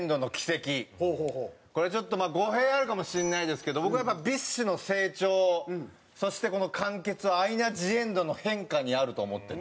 これちょっとまあ語弊あるかもしれないですけど僕やっぱＢｉＳＨの成長そしてこの完結はアイナ・ジ・エンドの変化にあると思ってて。